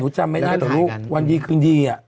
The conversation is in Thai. หนูจำไม่ได้ไหมวันนี้คืนดี